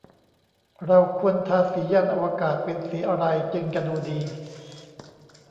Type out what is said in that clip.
เราควรทาสียานอวกาศเป็นสีอะไร จึงจะดูดี